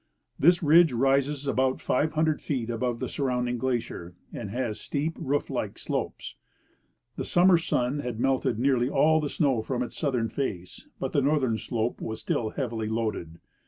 This ridge rises about five hundred feet above the surrounding glacier, and has steep roof like slopes. The summer sun had melted nearly all the snoAV from its southern face, but the northern slope was still heavily loaded.